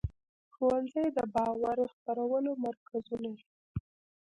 ښوونځي د باور خپرولو مرکزونه دي.